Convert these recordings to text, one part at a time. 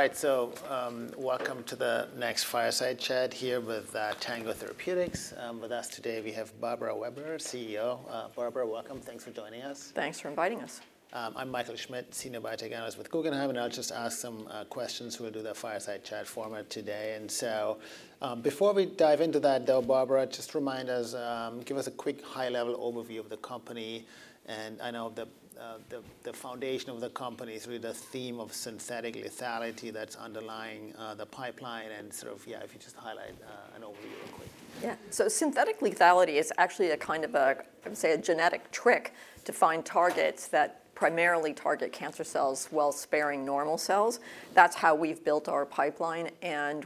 Right, so welcome to the next Fireside Chat here with Tango Therapeutics. With us today, we have Barbara Weber, CEO. Barbara, welcome. Thanks for joining us. Thanks for inviting us. I'm Michael Schmidt, Senior Biotech Analyst with Guggenheim. And I'll just ask some questions in the Fireside Chat format today. And so before we dive into that, though, Barbara, just remind us, give us a quick high-level overview of the company. And I know the foundation of the company is really the theme of synthetic lethality that's underlying the pipeline. And sort of, yeah, if you just highlight an overview real quick. Yeah, so synthetic lethality is actually a kind of a, I would say, a genetic trick to find targets that primarily target cancer cells while sparing normal cells. That's how we've built our pipeline.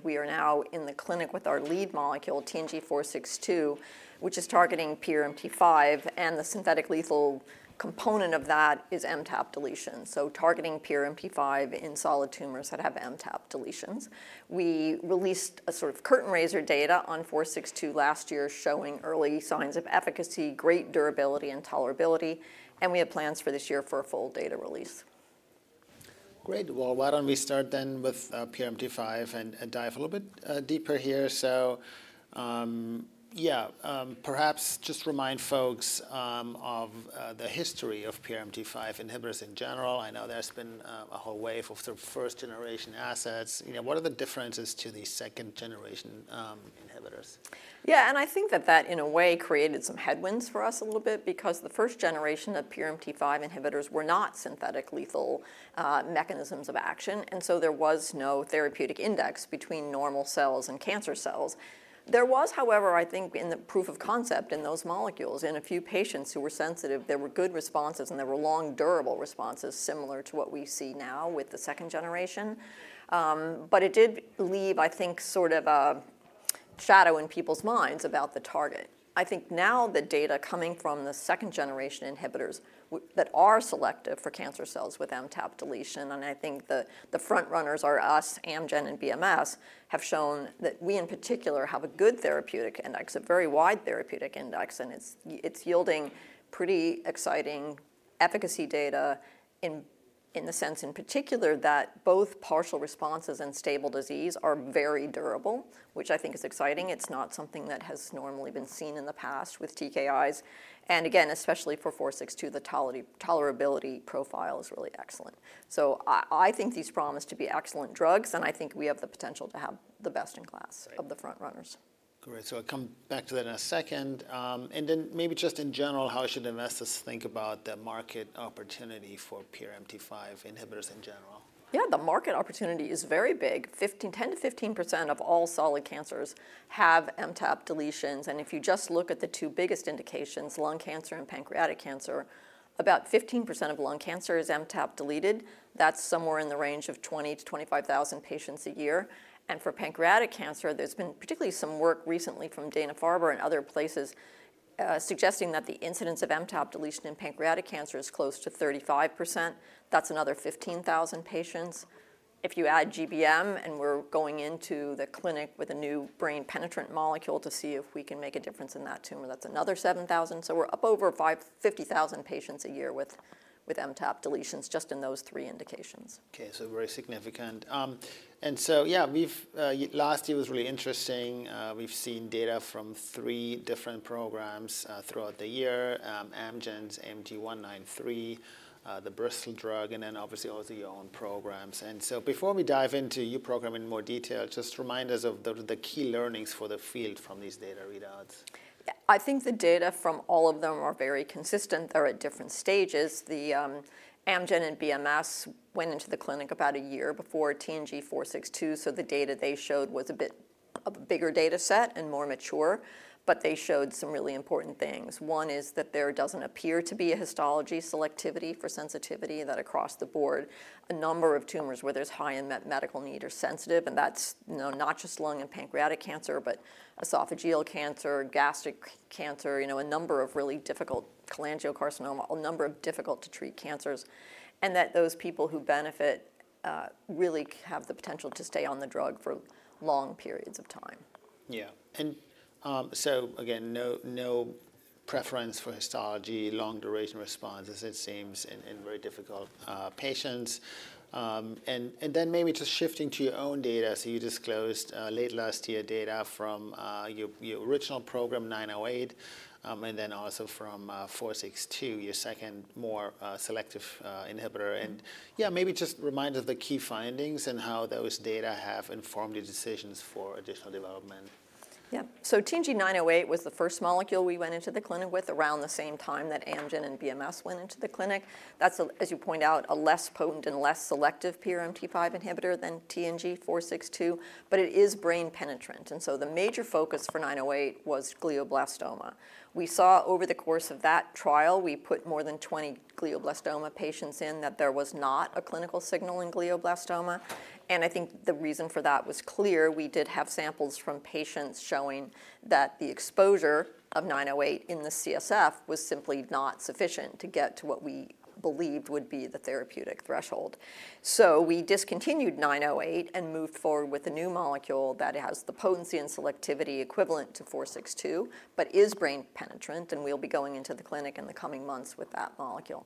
We are now in the clinic with our lead molecule, TNG462, which is targeting PRMT5. The synthetic lethal component of that is MTAP deletion. Targeting PRMT5 in solid tumors that have MTAP deletions. We released a sort of curtain raiser data on 462 last year showing early signs of efficacy, great durability, and tolerability. We have plans for this year for a full data release. Great. Well, why don't we start then with PRMT5 and dive a little bit deeper here. So yeah, perhaps just remind folks of the history of PRMT5 inhibitors in general. I know there's been a whole wave of the first-generation assets. What are the differences to the second-generation inhibitors? Yeah. And I think that that, in a way, created some headwinds for us a little bit because the first generation of PRMT5 inhibitors were not synthetic lethal mechanisms of action. And so there was no therapeutic index between normal cells and cancer cells. There was, however, I think, in the proof of concept in those molecules, in a few patients who were sensitive, there were good responses and there were long durable responses similar to what we see now with the second generation. But it did leave, I think, sort of a shadow in people's minds about the target. I think now the data coming from the second-generation inhibitors that are selective for cancer cells with MTAP deletion, and I think the front runners are us, Amgen and BMS, have shown that we, in particular, have a good therapeutic index, a very wide therapeutic index. And it's yielding pretty exciting efficacy data in the sense in particular that both partial responses and stable disease are very durable, which I think is exciting. It's not something that has normally been seen in the past with TKIs. And again, especially for 462, the tolerability profile is really excellent. So I think these promise to be excellent drugs. And I think we have the potential to have the best in class of the front runners. Great. So I'll come back to that in a second. And then maybe just in general, how should investors think about the market opportunity for PRMT5 inhibitors in general? Yeah, the market opportunity is very big. 10%-15% of all solid cancers have MTAP deletions, and if you just look at the two biggest indications, lung cancer and pancreatic cancer, about 15% of lung cancer is MTAP deleted. That's somewhere in the range of 20,000-25,000 patients a year, and for pancreatic cancer, there's been particularly some work recently from Dana-Farber and other places suggesting that the incidence of MTAP deletion in pancreatic cancer is close to 35%. That's another 15,000 patients. If you add GBM and we're going into the clinic with a new brain penetrant molecule to see if we can make a difference in that tumor, that's another 7,000, so we're up over 50,000 patients a year with MTAP deletions just in those three indications. OK, so very significant, and so yeah, last year was really interesting. We've seen data from three different programs throughout the year: Amgen, AMG 193, the Bristol drug, and then obviously also your own programs, and so before we dive into your program in more detail, just remind us of the key learnings for the field from these data readouts. I think the data from all of them are very consistent. They're at different stages. The Amgen and BMS went into the clinic about a year before TNG462. So the data they showed was a bit of a bigger data set and more mature. But they showed some really important things. One is that there doesn't appear to be a histology selectivity for sensitivity. That across the board, a number of tumors where there's high medical need are sensitive. And that's not just lung and pancreatic cancer, but esophageal cancer, gastric cancer, a number of really difficult cholangiocarcinoma, a number of difficult-to-treat cancers. And that those people who benefit really have the potential to stay on the drug for long periods of time. Yeah. And so again, no preference for histology, long duration responses, it seems, in very difficult patients. And then maybe just shifting to your own data. So you disclosed late last year data from your original program, 908, and then also from 462, your second more selective inhibitor. And yeah, maybe just remind us of the key findings and how those data have informed your decisions for additional development. Yeah. So TNG908 was the first molecule we went into the clinic with around the same time that Amgen and BMS went into the clinic. That's, as you point out, a less potent and less selective PRMT5 inhibitor than TNG462. But it is brain penetrant. And so the major focus for 908 was glioblastoma. We saw over the course of that trial, we put more than 20 glioblastoma patients in, that there was not a clinical signal in glioblastoma. And I think the reason for that was clear. We did have samples from patients showing that the exposure of 908 in the CSF was simply not sufficient to get to what we believed would be the therapeutic threshold. So we discontinued 908 and moved forward with a new molecule that has the potency and selectivity equivalent to 462, but is brain penetrant. We'll be going into the clinic in the coming months with that molecule.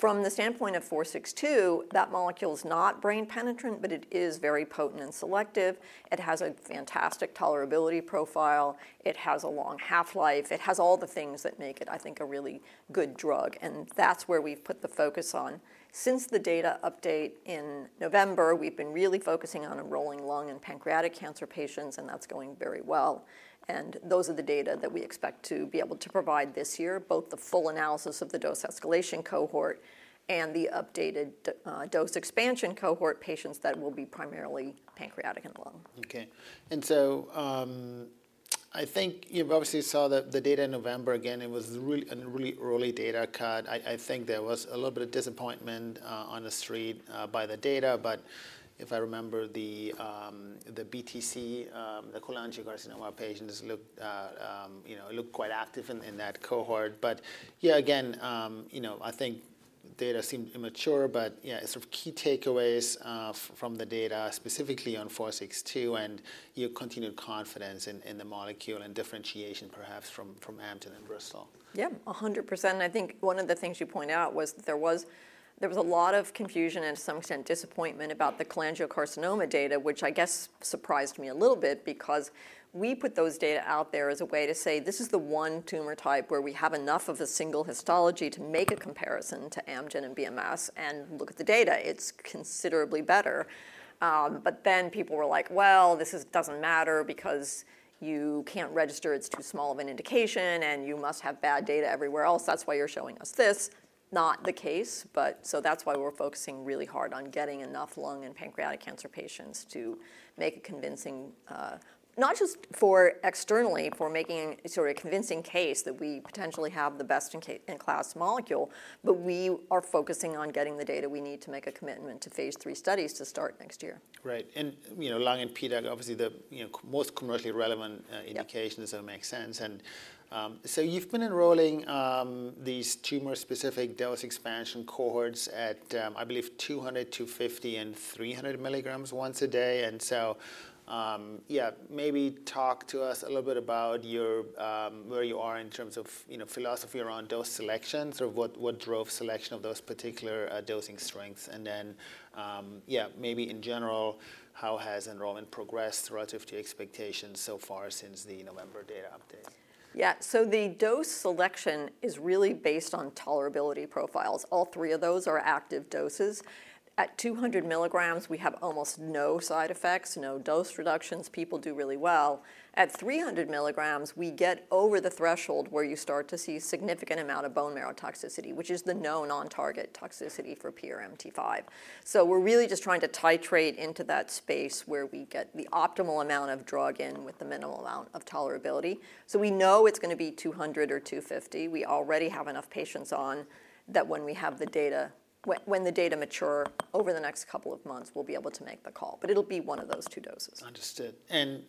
From the standpoint of 462, that molecule is not brain penetrant, but it is very potent and selective. It has a fantastic tolerability profile. It has a long half-life. It has all the things that make it, I think, a really good drug. That's where we've put the focus on. Since the data update in November, we've been really focusing on enrolling lung and pancreatic cancer patients. That's going very well. Those are the data that we expect to be able to provide this year, both the full analysis of the dose escalation cohort and the updated dose expansion cohort patients that will be primarily pancreatic and lung. Okay. And so I think you obviously saw the data in November. Again, it was a really early data cut. I think there was a little bit of disappointment on the street by the data. But if I remember, the BTC, the cholangiocarcinoma patients looked quite active in that cohort. But yeah, again, I think data seemed immature. But yeah, sort of key takeaways from the data, specifically on 462, and your continued confidence in the molecule and differentiation, perhaps, from Amgen and Bristol? Yeah, 100%. And I think one of the things you point out was there was a lot of confusion and, to some extent, disappointment about the cholangiocarcinoma data, which I guess surprised me a little bit because we put those data out there as a way to say, this is the one tumor type where we have enough of a single histology to make a comparison to Amgen and BMS and look at the data. It's considerably better. But then people were like, well, this doesn't matter because you can't register. It's too small of an indication. And you must have bad data everywhere else. That's why you're showing us this. Not the case. So that's why we're focusing really hard on getting enough lung and pancreatic cancer patients to make a convincing, not just externally, for making sort of a convincing case that we potentially have the best-in-class molecule. We are focusing on getting the data we need to make a commitment to phase 3 studies to start next year. Right. And lung and PDAC, obviously the most commercially relevant indication, so it makes sense. And so you've been enrolling these tumor-specific dose expansion cohorts at, I believe, 200, 250, and 300 milligrams once a day. And so yeah, maybe talk to us a little bit about where you are in terms of philosophy around dose selection, sort of what drove selection of those particular dosing strengths. And then yeah, maybe in general, how has enrollment progressed relative to expectations so far since the November data update? Yeah. So the dose selection is really based on tolerability profiles. All three of those are active doses. At 200 milligrams, we have almost no side effects, no dose reductions. People do really well. At 300 milligrams, we get over the threshold where you start to see a significant amount of bone marrow toxicity, which is the known on-target toxicity for PRMT5. So we're really just trying to titrate into that space where we get the optimal amount of drug in with the minimal amount of tolerability. So we know it's going to be 200 or 250. We already have enough patients on that when we have the data, when the data mature over the next couple of months, we'll be able to make the call. But it'll be one of those two doses. Understood. And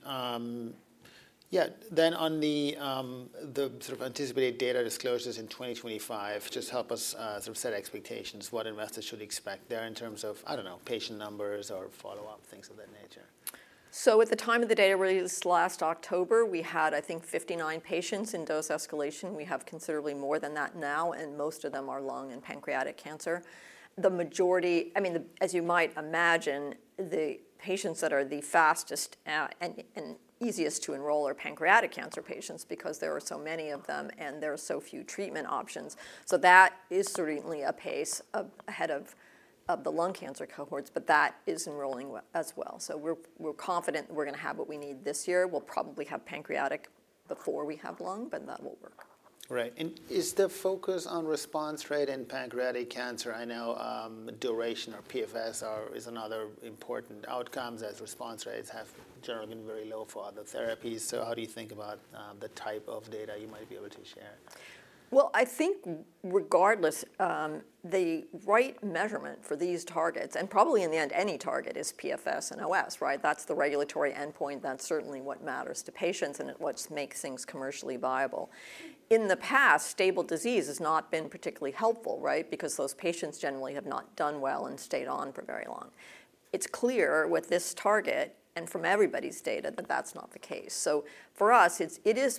yeah, then on the sort of anticipated data disclosures in 2025, just help us sort of set expectations, what investors should expect there in terms of, I don't know, patient numbers or follow-up, things of that nature. So at the time of the data release last October, we had, I think, 59 patients in dose escalation. We have considerably more than that now. And most of them are lung and pancreatic cancer. The majority, I mean, as you might imagine, the patients that are the fastest and easiest to enroll are pancreatic cancer patients because there are so many of them. And there are so few treatment options. So that is certainly a pace ahead of the lung cancer cohorts. But that is enrolling as well. So we're confident we're going to have what we need this year. We'll probably have pancreatic before we have lung. But that will work. Right. And is the focus on response rate in pancreatic cancer, I know duration or PFS is another important outcome as response rates have generally been very low for other therapies. So how do you think about the type of data you might be able to share? I think regardless, the right measurement for these targets, and probably in the end, any target is PFS and OS, right? That's the regulatory endpoint. That's certainly what matters to patients and what makes things commercially viable. In the past, stable disease has not been particularly helpful, right, because those patients generally have not done well and stayed on for very long. It's clear with this target and from everybody's data that that's not the case. So for us,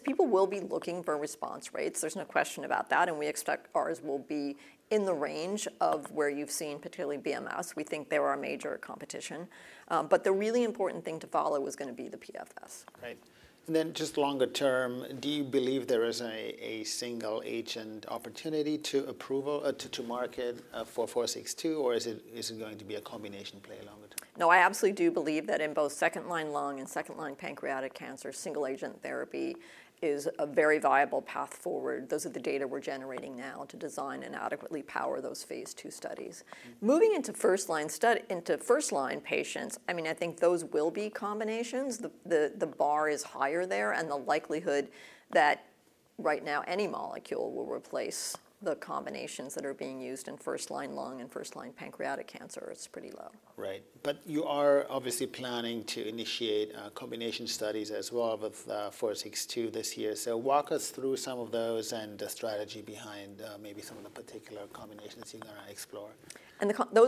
people will be looking for response rates. There's no question about that. And we expect ours will be in the range of where you've seen, particularly BMS. We think there are major competition. But the really important thing to follow is going to be the PFS. Right. And then just longer term, do you believe there is a single agent opportunity to market for 462? Or is it going to be a combination play longer term? No, I absolutely do believe that in both second-line lung and second-line pancreatic cancer, single agent therapy is a very viable path forward. Those are the data we're generating now to design and adequately power those phase 2 studies. Moving into first-line patients, I mean, I think those will be combinations. The bar is higher there, and the likelihood that right now any molecule will replace the combinations that are being used in first-line lung and first-line pancreatic cancer is pretty low. Right. But you are obviously planning to initiate combination studies as well with 462 this year. So walk us through some of those and the strategy behind maybe some of the particular combinations you're going to explore.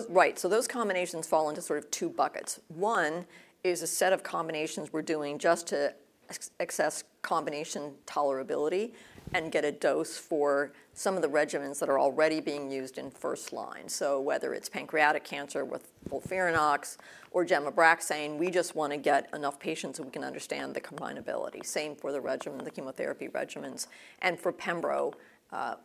Right. So those combinations fall into sort of two buckets. One is a set of combinations we're doing just to assess combination tolerability and get a dose for some of the regimens that are already being used in first-line, so whether it's pancreatic cancer with FOLFIRINOX or gem and Abraxane, we just want to get enough patients so we can understand the combinability. Same for the chemotherapy regimens and for pembro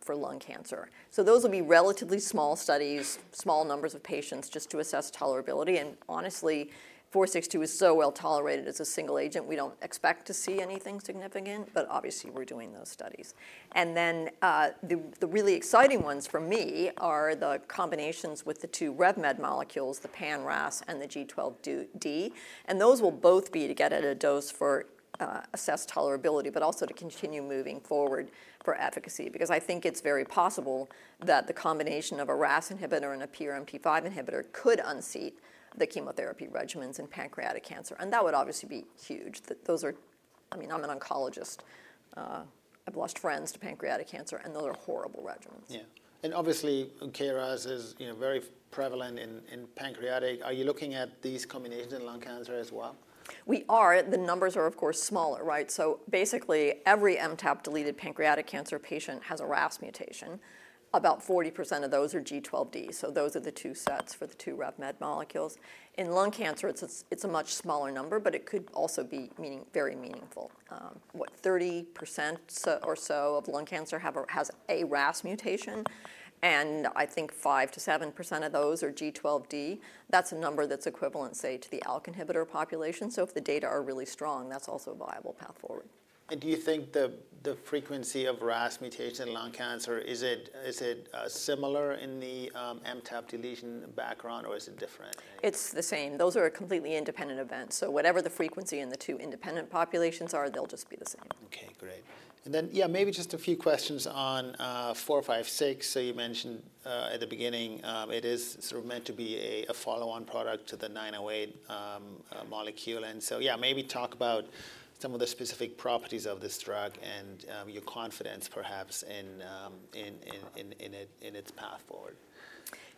for lung cancer, so those will be relatively small studies, small numbers of patients just to assess tolerability, and honestly, 462 is so well tolerated as a single agent, we don't expect to see anything significant, but obviously, we're doing those studies, and then the really exciting ones for me are the combinations with the two RevMed molecules, the panRAS and the G12D. And those will both be to get at a dose for assessed tolerability, but also to continue moving forward for efficacy. Because I think it's very possible that the combination of a RAS inhibitor and a PRMT5 inhibitor could unseat the chemotherapy regimens in pancreatic cancer. And that would obviously be huge. I mean, I'm an oncologist. I've lost friends to pancreatic cancer. And those are horrible regimens. Yeah. And obviously, KRAS is very prevalent in pancreatic. Are you looking at these combinations in lung cancer as well? We are. The numbers are, of course, smaller, right? So basically, every MTAP-deleted pancreatic cancer patient has a RAS mutation. About 40% of those are G12D. So those are the two sets for the two RevMed molecules. In lung cancer, it's a much smaller number. But it could also be very meaningful. What, 30% or so of lung cancer has a RAS mutation. And I think 5%-7% of those are G12D. That's a number that's equivalent, say, to the ALK inhibitor population. So if the data are really strong, that's also a viable path forward. Do you think the frequency of RAS mutation in lung cancer, is it similar in the MTAP deletion background? Or is it different? It's the same. Those are completely independent events. So whatever the frequency in the two independent populations are, they'll just be the same. OK, great. And then yeah, maybe just a few questions on 456. So you mentioned at the beginning, it is sort of meant to be a follow-on product to the 908 molecule. And so yeah, maybe talk about some of the specific properties of this drug and your confidence, perhaps, in its path forward.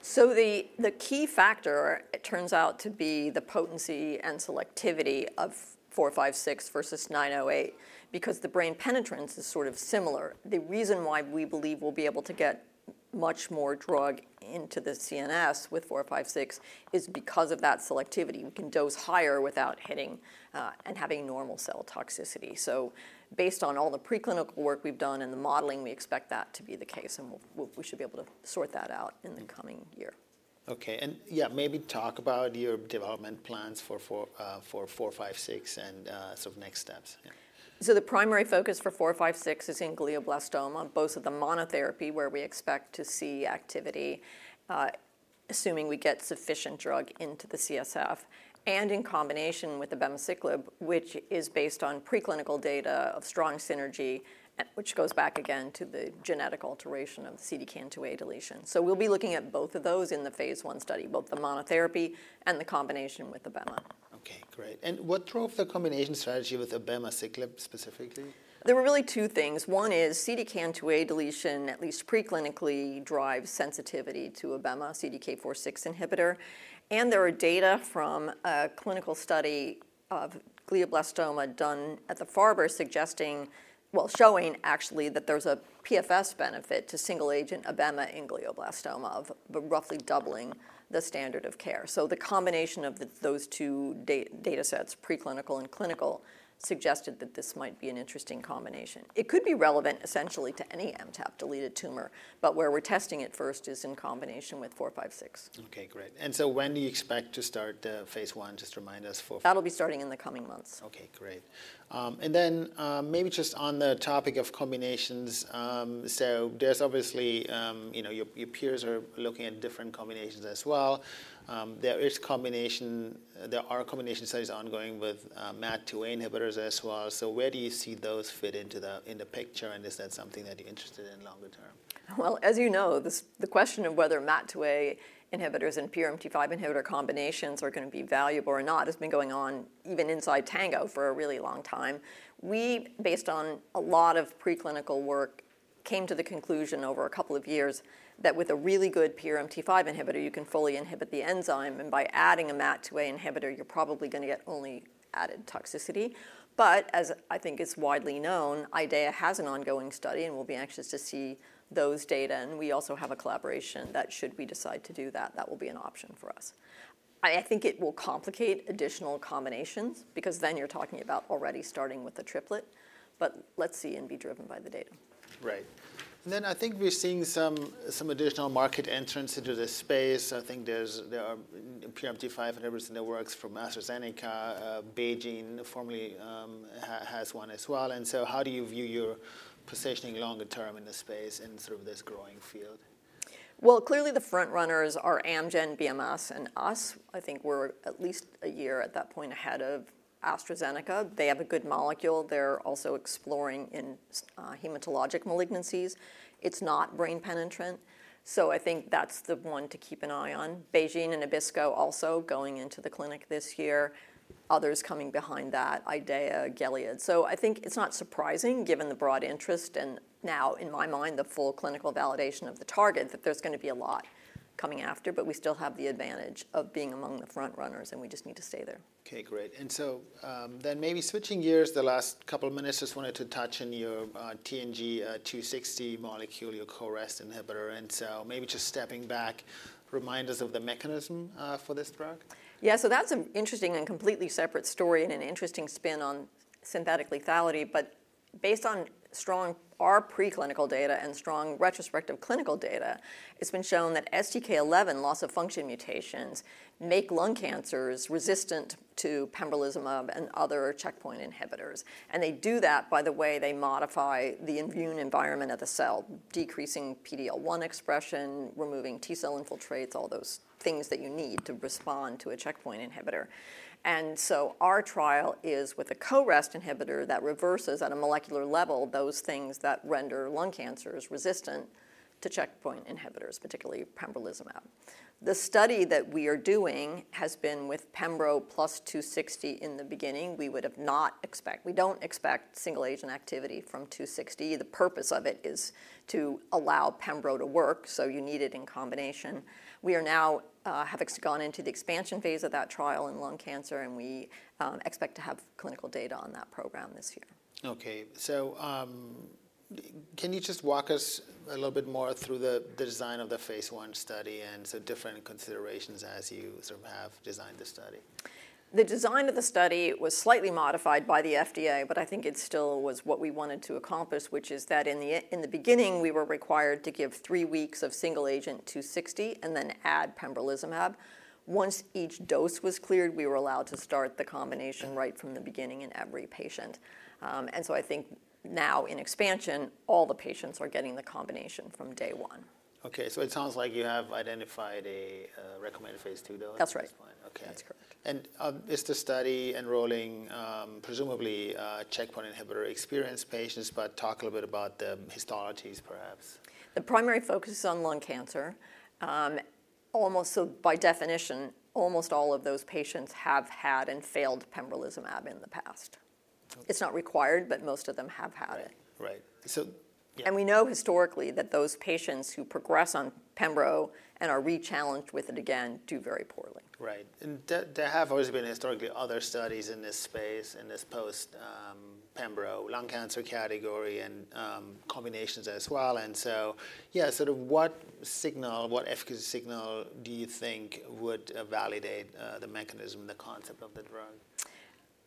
So the key factor, it turns out, to be the potency and selectivity of 456 versus 908 because the brain penetrance is sort of similar. The reason why we believe we'll be able to get much more drug into the CNS with 456 is because of that selectivity. We can dose higher without hitting and having normal cell toxicity. So based on all the preclinical work we've done and the modeling, we expect that to be the case. And we should be able to sort that out in the coming year. OK. And yeah, maybe talk about your development plans for 456 and sort of next steps. So the primary focus for 456 is in glioblastoma, both of the monotherapy where we expect to see activity, assuming we get sufficient drug into the CSF, and in combination with the abemaciclib, which is based on preclinical data of strong synergy, which goes back again to the genetic alteration of CDKN2A deletion. So we'll be looking at both of those in the phase 1 study, both the monotherapy and the combination with the Abema. OK, great. And what drove the combination strategy with the abemaciclib specifically? There were really two things. One is CDKN2A deletion, at least preclinically, drives sensitivity to a Abema, CDK4/6 inhibitor, and there are data from a clinical study of glioblastoma done at the Dana-Farber, suggesting, well, showing actually that there's a PFS benefit to single agent Abema in glioblastoma of roughly doubling the standard of care, so the combination of those two data sets, preclinical and clinical, suggested that this might be an interesting combination. It could be relevant, essentially, to any MTAP-deleted tumor, but where we're testing it first is in combination with 456. OK, great. And so when do you expect to start phase 1? Just remind us for. That'll be starting in the coming months. OK, great. And then maybe just on the topic of combinations, so there's obviously your peers are looking at different combinations as well. There are combination studies ongoing with MAT2A inhibitors as well. So where do you see those fit into the picture? And is that something that you're interested in longer term? As you know, the question of whether MAT2A inhibitors and PRMT5 inhibitor combinations are going to be valuable or not has been going on even inside Tango for a really long time. We, based on a lot of preclinical work, came to the conclusion over a couple of years that with a really good PRMT5 inhibitor, you can fully inhibit the enzyme, and by adding a MAT2A inhibitor, you're probably going to get only added toxicity, but as I think is widely known, IDEAYA has an ongoing study, and we'll be anxious to see those data, and we also have a collaboration that should we decide to do that, that will be an option for us. I think it will complicate additional combinations because then you're talking about already starting with a triplet, but let's see and be driven by the data. Right. And then I think we're seeing some additional market entrants into this space. I think there are PRMT5 inhibitors in the works from AstraZeneca. BeiGene formally has one as well. And so how do you view your positioning longer term in this space and sort of this growing field? Clearly, the front runners are Amgen, BMS, and us. I think we're at least a year at that point ahead of AstraZeneca. They have a good molecule. They're also exploring in hematologic malignancies. It's not brain penetrant. So I think that's the one to keep an eye on. BeiGene and Abbisko also going into the clinic this year. Others coming behind that, IDEAYA, Gilead. So I think it's not surprising, given the broad interest. And now, in my mind, the full clinical validation of the target, that there's going to be a lot coming after. But we still have the advantage of being among the front runners. And we just need to stay there. OK, great. And so then maybe switching gears, the last couple of minutes, I just wanted to touch on your TNG260 molecule, your CoREST inhibitor. And so maybe just stepping back, remind us of the mechanism for this drug. Yeah. So that's an interesting and completely separate story and an interesting spin on synthetic lethality. But based on our preclinical data and strong retrospective clinical data, it's been shown that STK11 loss of function mutations make lung cancers resistant to pembrolizumab and other checkpoint inhibitors. And they do that by the way they modify the immune environment of the cell, decreasing PD-L1 expression, removing T-cell infiltrates, all those things that you need to respond to a checkpoint inhibitor. And so our trial is with a Co-REST inhibitor that reverses at a molecular level those things that render lung cancers resistant to checkpoint inhibitors, particularly pembrolizumab. The study that we are doing has been with pembro plus 260 in the beginning. We don't expect single agent activity from 260. The purpose of it is to allow pembro to work. So you need it in combination. We have gone into the expansion phase of that trial in lung cancer, and we expect to have clinical data on that program this year. OK. Can you just walk us a little bit more through the design of the phase 1 study and some different considerations as you sort of have designed the study? The design of the study was slightly modified by the FDA, but I think it still was what we wanted to accomplish, which is that in the beginning, we were required to give three weeks of single agent 260 and then add pembrolizumab. Once each dose was cleared, we were allowed to start the combination right from the beginning in every patient, and so I think now in expansion, all the patients are getting the combination from day one. OK. So it sounds like you have identified a recommended phase 2 dose. That's right. OK. That's correct. Is the study enrolling presumably checkpoint inhibitor experienced patients? Talk a little bit about the histologies, perhaps. The primary focus is on lung cancer. By definition, almost all of those patients have had and failed pembrolizumab in the past. It's not required. But most of them have had it. Right. We know historically that those patients who progress on pembro and are re-challenged with it again do very poorly. Right. And there have always been historically other studies in this space, in this post-pembro lung cancer category and combinations as well. And so yeah, sort of what signal, what efficacy signal do you think would validate the mechanism and the concept of the drug?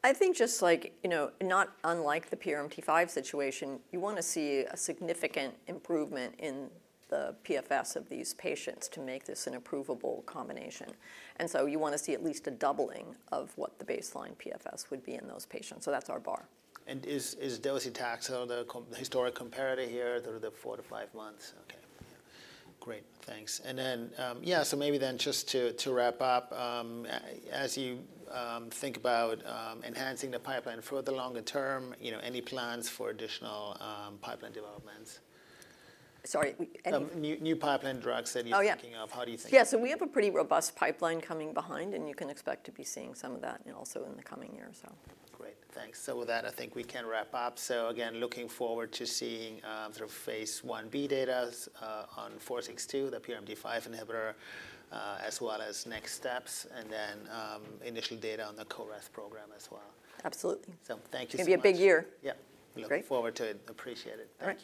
I think just like not unlike the PRMT5 situation, you want to see a significant improvement in the PFS of these patients to make this an approvable combination. And so you want to see at least a doubling of what the baseline PFS would be in those patients. So that's our bar. And is docetaxel the historic comparator here through the four to five months? OK. Great. Thanks. And then yeah, so maybe then just to wrap up, as you think about enhancing the pipeline further longer term, any plans for additional pipeline developments? Sorry. New pipeline drugs that you're thinking of, how do you think? Yeah, so we have a pretty robust pipeline coming behind, and you can expect to be seeing some of that also in the coming year or so. Great. Thanks, so with that, I think we can wrap up, so again, looking forward to seeing sort of phase 1B data on 462, the PRMT5 inhibitor, as well as next steps, and then initial data on the CoREST program as well. Absolutely. Thank you so much. It's going to be a big year. Yeah. Looking forward to it. Appreciate it. Thank you.